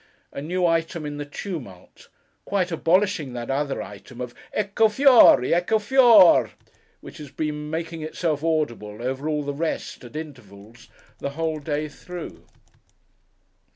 '—a new item in the tumult; quite abolishing that other item of 'Ecco Fióri! Ecco Fior r r!' which has been making itself audible over all the rest, at intervals, the whole day through.